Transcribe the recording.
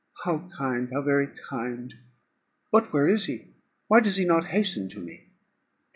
How kind, how very kind! But where is he, why does he not hasten to me?"